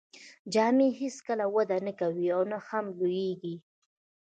جامې هیڅکله وده نه کوي او نه هم لوییږي.